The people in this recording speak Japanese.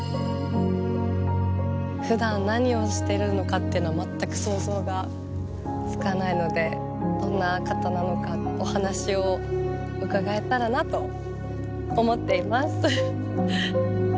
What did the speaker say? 普段何をしてるのか全く想像がつかないのでどんな方なのかお話を伺えたらなと思っています。